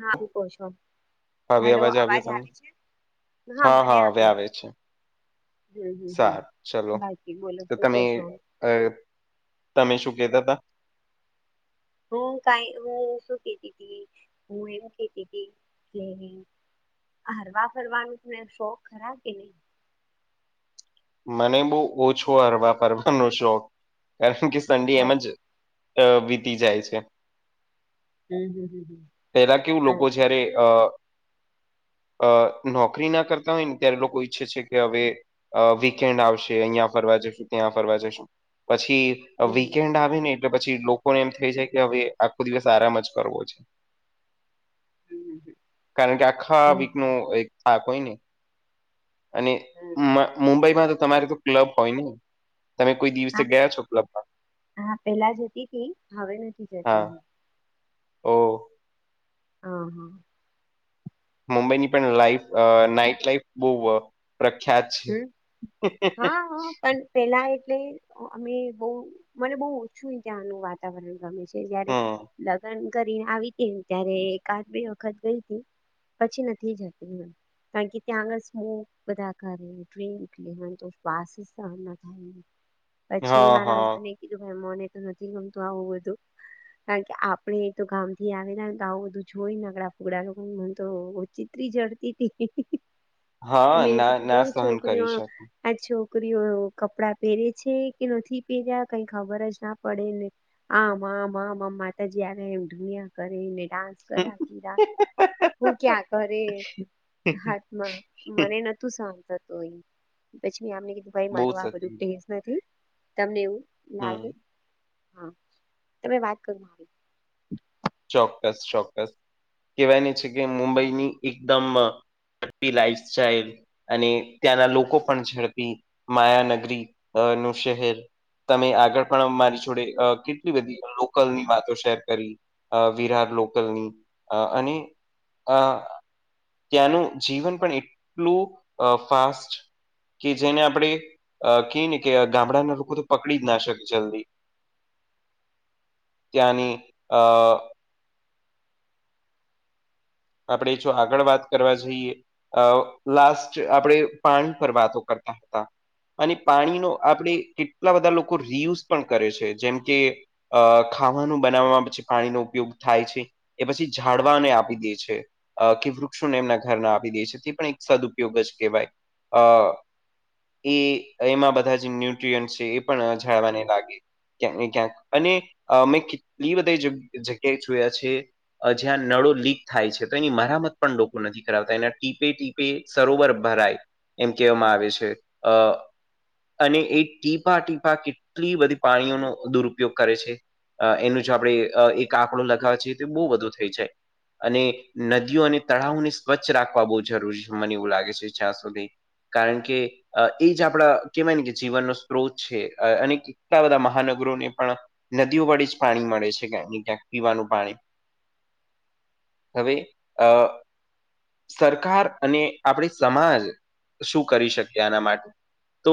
હા શુ કહો છો, હવે હેલો આવ્યો અવાજ તમને આવે છે? હા મને હવે આવીયો. આવે છે હમ હમ હમ સારું ચલો બાકી બલ તો કો છો. અ તમે શું કેતા તા? હું કઈ હું શું કેતી તી હું એવું કેતી હતી હરવા ફરવાનું તને શોખ ખરા કે ની? મને બવ ઓછો હરવા ફરવાનો શોખ કારણ કે સંડે એમ જ અચ્છા અ વીતી જાય છે. હમ હમ હમ હમ. પહેલા કેવું લોકો અચ્છા જારે અ અ નોકરી ના કરતા હોય ને ત્યારે લોકો ઈચ્છે છે કે હવે વિકેન્ડ આવશે અહિયાં ફરવા જશું ત્યાં ફરવા જશું પછી હમ હમ વીકેન્ડ આવી ને એટલે પછી લોકોને એમ થઈ જાય કે હવે આખો દિવસ આરામ જ કરવો છે. હમ હમ હમ. કારણ કે આખા બરાબર. વીક નો એક થાક હોય ને. અને હમ. મુંબઈમાં તો તમારે તો ક્લબ હોય ને! તમે કોઈ દિવસે હા ગયા છો ક્લબમાં? હા પેલા જતી તી હવે નથી હા જતી. ઓ. હ હા. મુંબઈની પણ લાઈફ નાઈટ લાઈફ બહુ પ્રખ્યાત છે. હમ હા હા પણ પેલા એટલે અમે બહુ મને બહુ ઓછું ત્યાંનું વાતાવરણ ગમે છે. જ્યારે હમ રે લગ્ન કરી આવી હતી ત્યારે એકાદ બે વખત ગઈ હતી. પછી નથી જતી કારણ કે ત્યાં આગળ સ્મોક બધાં હા તો એટલે મને વાસી સહન ના થાય પછી હા મારા હા હસબેન્ડ એ કીધું મને તો નથી ગમતું આવું બધું. કારણ કે આપડે તો ગામ થી આવેલા હોય ને આવ બધું જોઈને નગડા ફુગડા મને તો ચિત્રી જડતી હતી. હા મેં તો ના ના કીધું સહન છોકરીઓ કરી શકે. આ છોકરીઓ કપડાં પહેરે છે કે નથી પહેર્યા કઈ ખબર જ ના પડેને. આમ આમ આમ માતાજી આવે એમ ધુણીયા કરીને ડાન્સ રા હું ક્યાં કરે હાથમાં મને નથી શુ સહન થતુ હોય, પછી આમને કીધું, બહુ મારે આ સતી ટેસ્ટ. નથી તમને એવું હમ લાગે હા તમે વાત કરો મારી. ચોક્કસ ચોક્કસ કહેવાયની છે કે મુંબઈની એકદમ [unintelligible] લાઈફ સ્ટાઈલ. અને ત્યાંના લોકો પણ ઝડપી માયાનગરી અ નું શહેર. તમે આગળ પણ મારી જોડે કેટલી બધી લોકલની વાતો શેર કરી. અ વિરાહ લોકલની અ અને અ ત્યાંનું જીવન પણ એટલું અ ફાસ્ટ. કે જેને આપડે કે ઈ ને કે, ગામડાના લોકો તો પકડી જ ના શકે, જલ્દી. ત્યાંની અ અ. આપણે જો આગળ વાત કરવા જઈએ. અ લાસ્ટ આપણે પાની પર વાતો કરતા હતા. અને પાણીનો આપણે કેટલા બધા લોકો રિયુઝ પણ કરે છે, જેમ કે અ ખાવાનું બનાવવામાં પછી, પાણીનો ઉપયોગ થાય છે, એ પછી ઝાડવાને આપી દે છે. કે વૃક્ષોને એમના ઘરના આપી દે છે, તે પણ એક સદઉપયોગ જ કેવાય. હ. એ એમાં બધાં જે ન્યુટ્રીયન્ટ છે, એ પણ જાળવાને લાગે. ક્યાંકને, ક્યાંક અને અમે કેટલી બધા જગ્યાએ જોયા છે. અ જ્યાં નળો લી થાય છે, તો એની મરામત પણ લોકો નથી કરાવતા, એના ટીપે ટીપે સરોવર ભરાય. એમ કેવામાં આવે છે, અ. અને એ ટીપા ટીપા કેટલી બધી પાણીઓનો દુરુપયોગ કરે છે. અ એનું જો આપડે અ એક આંકડો લગાવ જઈએ, તો બો વધુ થઈ જાય. અને નદીઓ અને તળાવોને સ્વચ્છ રાખવા બો જરૂરી, મને એવું લાગે છે જ્યાં સુધી. કારણ કે, અ એ જ આપડા કેવાય ને, કેજીવનનો સ્ત્રોત છે, અ અને એટલા બધા મહાનગરોને પણ નદીઓ વળી જ પાણી મળે છે, ક્યાંક ને, ક્યાંક પીવાનું પાણી. હવે અ. સરકાર અને આપડી સમાલ શું કરી શકીએ, આના માટે. તો.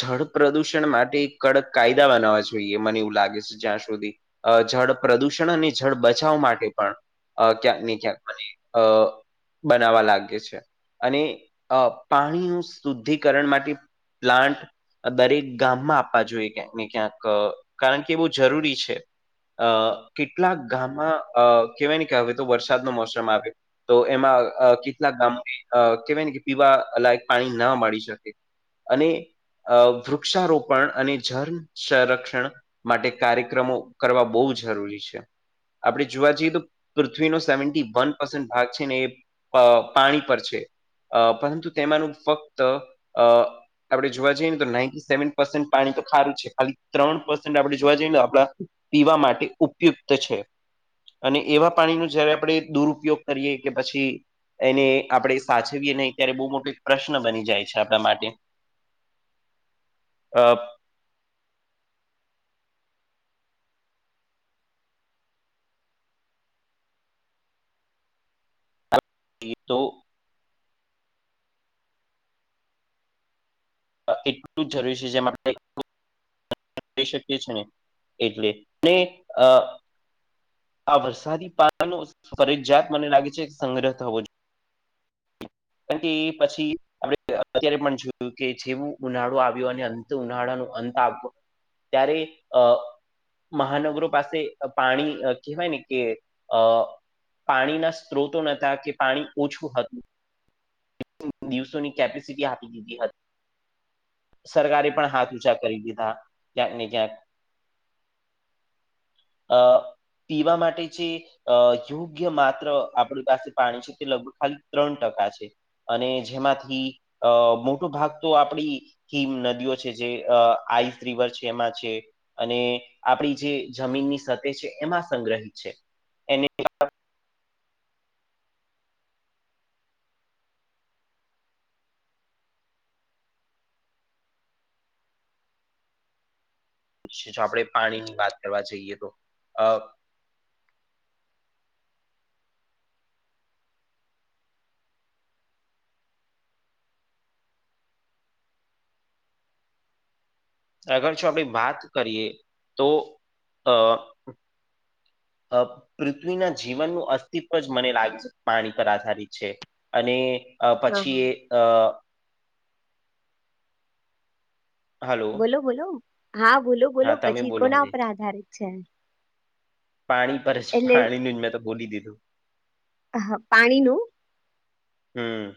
જળ પ્રદુષણ માટે, એક કડક કાયદા બનાવવા જોઈએ, મને એવું લાગે છે, જ્યાં સુધી. અ જળ પ્રદૂષણ અને જળ બચાવ માટે પણ. અ ક્યાંક ને, ક્યાંક મને અ બનાવા લાગે છે. અને અ પાણીનું શુદ્ધિકરણ માટે પ્લાન્ટ દરેક ગામમાં આપવા જોઈએ, ક્યાંક ને, ક્યાંક કારણ કે એ બો જરૂરી છે. અ કેટલાક ગામમાં અ કેવાય ને, કે હવે તો વરસાદનો મોસમ આવ તો એમાં અ કેટલાક ગામો ને અ કેવાય ને, કે પીવા લાયક પાણી ના મળી શકે. અને અ વૃક્ષારોપણ અને જન સંરક્ષણ. માટે કાર્યક્રમો કરવા બો જરૂરી છે, આપણે જોવા જઈએ તો. પૃથ્વીનો સેવન્ટી વન પસેન્ટ ભાગ છે ને, એ પ પાણી પર છે. અ પરંતુ તેમાનું ફક્ત અ આપણે જોવા જઈએ ને, તો સેવન પર્સન્ટ પાણી તો ખારું છે, ખાલી ત્રણ પર્સેન્ટ આપણેે જોવા જઈએ આપ પીવા માટે ઉપયુક્ત છે, અને એવા પાણીનું જયારે આપણે દુરુપયોગ કરીએ કે, પછી એને આપણે સાચવીએ નઈ, ત્યારે બો મોટો પ્રશ્ન બની જાય છે, આપણા માટે. અ. એ તો. એટલું જ જરૂરી છે, જેમાં [unintelligible] એટલે ને અ. આ વરસાદી પાણી નો ફરજિયાત મને લાગે છે, સંગ્રહ થવો જોઈએ. કારણ કે, પછી આપણે અત્યારે પણ જોયું કે, જેવું ઉનાળો આવ્યો, અને અંત ઉનાળાનો, અંત આવે. ત્યારે અ મહાનગરો પાસે પાણી કેવાય ને, કે અ. પાણીના સ્ત્રોતો નતા કે, પાણી ઓછું હતું. દિવસોની કેપેસિટી આપી દીધી હતી. સરકારે પણ હાથ ઉંચા કરી દીધા, ક્યાંક ને, ક્યાંક. અ પીવા માટે જે. અ યોગ્ય માત્ર આપણી પાસે પાણી છે તે લગભગ ખાલી ત્રણ ટકા છે. અને જેમાંથી અ મોટો ભાગ તો આપડી હિમ નદીઓ છે જે અ આઈસ રિવર છે એમાં છે. અને આપડી જે જમીનની સતે છે એમાં સંગ્રહી છે એને જો આપણે પાણી ની વાત કરવા જઈએ તો અ અગર જો આપણે વાત કરીએ તો અ અ પૃથ્વીના જીવનનું અસ્તિત્વ જ મને લાગે છે પાણી પર આધારિત છે. અને અ હા હા પછીએ અ હલો બોલો બોલો હા બોલો બોલો હા તમે પછી બોલો કોના હવે ઉપર આધારિત છે. પાણી પર જ એટલે પાણીનું જ મેં તો બોલી દીધું. પાણીનું હા.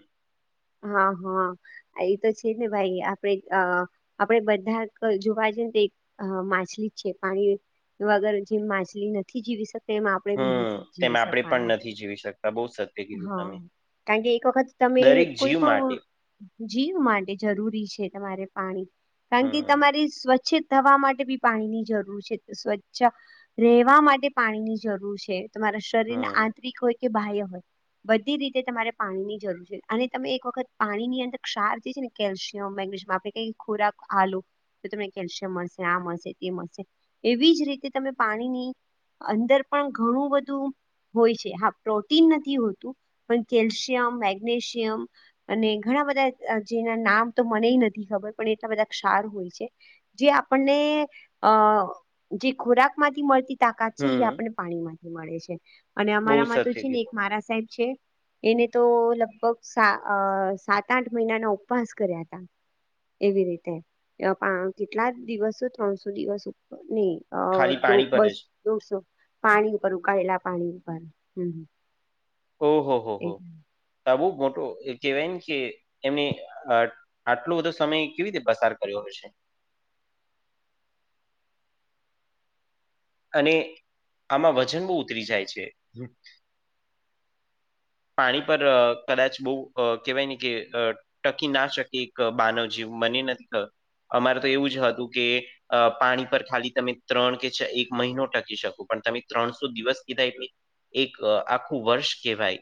હા હા એ તો છે ને ભાઈ આપણે અ આપણે બધા ક જોવા જઈએ તે એક અ માછલી છે પાણી તો અગર જેમ માછલી નથી જીવી શકતી. તેમ આપણે બી હમ નથી જીવી તેમાં આપણે પણ શકવાના નથી જીવી શકતા બહુ સત્ય કીધું હા. તમે કાકે એક વખત તમે દરેક કોઈ જીવ પણ માટે જીવ માટે જરૂરી છે તમારે પાણી કારણ કે હમ તમારી સ્વચ્છ થવા માટે બી પાણીની જરૂર છે સ્વચ્છા રહેવા માટે પાણીની જરૂર છે. તમારા શરીરને હમ આંતરિક હોય કે બાહ્ય હોય બધી રીતે તમારે પાણી ની જરૂર છે અને. તમે એક વખત પાણી ની અંદર ક્ષાર જે છે ને કેલ્શિયમ મેગ્નેશિયમ આપણે ખોરાક આલુ તો તમને કેલ્શિયમ મળશે આ મળશે તે મળશે એવી જ રીતે તમે પાણીની અંદર પણ ઘણું બધું હોય છે હા પ્રોટીન નથી હોતું પણ કેલ્શિયમ મેગ્નેશિયમ અને ઘણા બધા અ જેના નામ તો મને નથી ખબર પણ એટલા બધા ક્ષાર હોય છે. જે આપણને અ જે ખોરાક માંથી મળતી તાકાત છે એ હમ આપણને પાણીમાંથી મળે છે અને બહુ અમારામાં સત્ય તો છે ને એક કીધું મારા સાહેબ છે. એને તો લગભગ સા અ સાત આઠ મહિનાના ઉપવાસ કર્યા તા. એવી રીતે અ કેટલા દિવસો ત્રણસો દિવસ ઉપર નહી અ ખાલી તો પાણી પર બસ જ દો સો પાણી ઉપર ઉકળેલા પાણી ઉપર ઓહ હો હો એ હમ સાહેબ મોટો એ કેહેવાય કે એમને અ આટલો બધો સમય કેવી રીતે પસાર કર્યો હશે? અને આમાં વજન બહુ ઉતરી જાય છે. પાણી પર અ કદાચ બહુ અ કહેવાય ને કે અ ટકી ના શકે એક માનવજીવન મને નથી કયો અમારે તો એવું જ હતું કે અ પાણી પર ખાલી તમે ત્રણ કે એક મહિનો ટકી શકું પણ તમે ત્રણસો દિવસ કીધા એટલે એક આખું વર્ષ કહેવાય.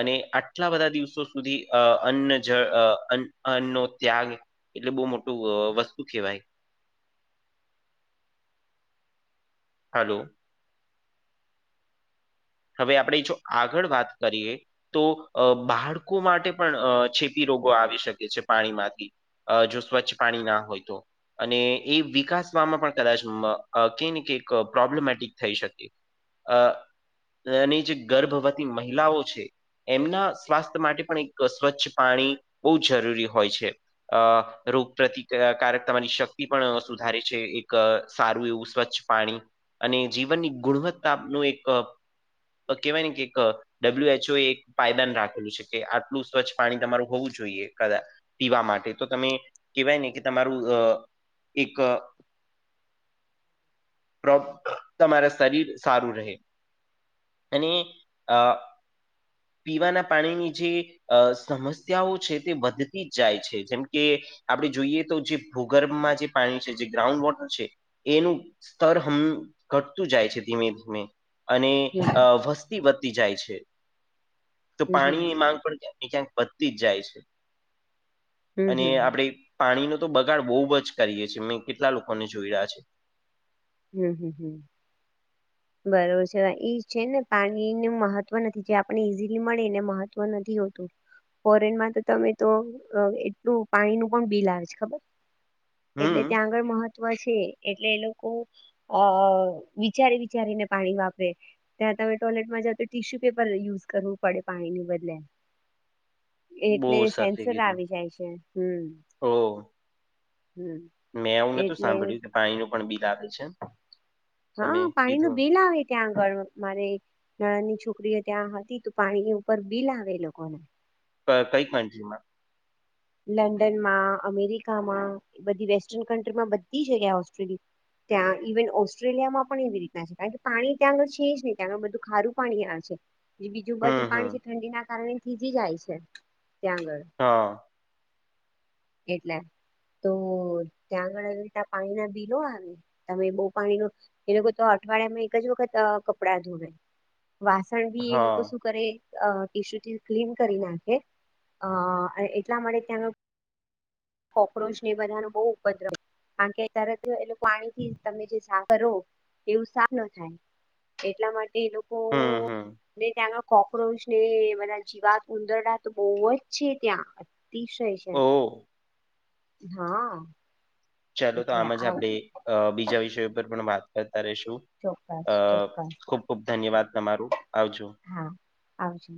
અને આટલા બધા દિવસો સુધી અ અન્ન જળ અ અન્ન અન્ન નો ત્યાગ એટલે બહુ મોટું અ વસ્તુ કહેવાય. હલો હવે આપણે જો આગળ વાત કરીએ તો અ બાળકો માટે પણ અ ચેપી રોગો આવી શકે છે પાણીમાંથી. અ જો સ્વચ્છ પાણી ના હોય તો અને એ વિકાસવામાં પણ કદાચ મ અ કઈ ને કઈક અ પ્રોબ્લેમેટિક થઈ શકે. અ અને જે ગર્ભવતી મહિલાઓ છે. એમના સ્વાસ્થ્ય માટે પણ એક સ્વચ્છ પાણી બહુ જરૂરી હોય છે. અ રોગ પ્રતિઅકારકતા વાણી શક્તિ પણ સુધારે છે એક અ સારું એવું સ્વચ્છ પાણી અને જીવનની ગુણવત્તા નું એક અ કહેવાય ને કે અ ડબલ્યુ એચ ઓ એ પાયદાન રાખેલું છે કે આટલું સ્વચ્છ પાણી તમારું હોવું જોઈએ કદાચ પીવા માટે તો તમે કેહેવાય ને કે તમારું અ એક અ [unintelligible] તમારા શરીર સારું રહે. અને અ પીવાના પાણીની જે અ સમસ્યાઓ છે તે વધતી જ જાય છે જેમ કે આપણે જોઈએ તો જે ભૂગર્ભમાં જે પાણી છે જે ગ્રાઉન્ડ વોટર છે એનું સ્તર હમ્મ ઘટતું જાય છે ધીમે ધીમે. અને વસ્તી વધતી જાય છે તો હમ હમ. પાણીની માંગ પણ જેમ ક્યાંક પત્તી જ જાય છે હમ અને હમ આપણે પાણીનો તો બગાડ બહુ જ કરીએ છીએ મેં કેટલા લોકોને જોઈયા છે. હમ્મ હમ્મ હમ્મ. બરોબર છે એ છે ને પાણીનું મહત્વ નથી જે આપણે ઈઝીલી મળે એનુ મહત્વ નથી હોતું. ફોરેનમાં તો તમે તો એટલું પાણી નું પણ બિલ આવે છે ખબર? એટલે હમ ત્યાં આગળ મહત્વ છે એટલે એ લોકો અ વિચારે વિચારી ને પાણી વાપરે. ત્યાં તમે ટોયલેટમાં જાવ તો ટીશ્યુ પેપર યુઝ કરવું પડે પાણીની બદલે. બહુ એટલે સાચી સેન્સર કીધું આવી જાય છે હમ ઓ. હમ મેં આવું નતું એટલે સાંભળ્યું કે પાણીનું પણ બિલ આવે છે. તમે હા પાણી નું કીધું બિલ આવે. ત્યાં આગળ મારે નદડની છોકરીઓ ત્યાં હતી તો પાણી ઉપર બિલ આવે એ લોકોને. ક કઈ કન્ટ્રીમા? લંડનમાં, અમેરિકામાં બધી વેસ્ટર્ન કન્ટ્રીમાં બધી જગ્યા ઓસ્ટ્રેલ ત્યાં ઇવન ઓસ્ટ્રેલિયામાં પણ એવી રીતના છે કારણ કે પાણી ત્યાં આગળ છે જ નહીં ત્યા આગળ બધું ખારું પાણી આવે છે. બીજું હમ બધું હમ પાણી છે ઠંડી ના કારણે થીજી જાય છે ત્યાં આગળ. હા. એટલે તો ત્યાં આગળ એવી રીત પાણી ના બિલો આવે. તમે બહુ પાણી નો એ લોકો તો અઠવાડિયામાં એક જ વખત કપડાં ધોવે. વાસણ ભી એ હા લોકો શું કરે અ ટીશુથી ક્લીન કરી નાખે અ એટલા માટે ત્યાં આગળ કોક્રોચ ને એ બધાનો બહુ ઉપદ્રવ કારણ કે તરત એ પાણી થી તમે જે સાફ કરો એવું સાફ ન થાય. એટલા માટે એ લોકો હમ હમ ત્યાંનો કોક્રોચ ને જીવાત ઉંદરડા તો બહુ જ છે ત્યાં અતિશય છે. ઓ હા. ચાલો તો એટલે આમ જ આપણે આવું બીજા વિષયો પર પણ વાત કરતા રેશું. અ ચોક્કસ ચોક્કસ ખુબ ખુબ ધન્યવાદ તમારું આવજો. હા આવજો.